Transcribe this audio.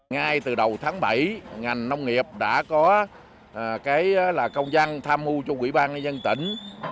ngay từ đầu tháng bảy ngành nông nghiệp đã có công dân tham mưu cho quỹ ban nhân dân tỉnh